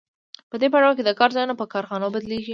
په دې پړاو کې د کار ځایونه په کارخانو بدلېږي